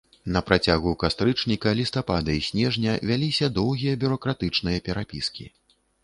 На працягу кастрычніка, лістапада і снежня вяліся доўгія бюракратычныя перапіскі.